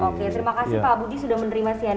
oke terima kasih pak budi sudah menerima si anek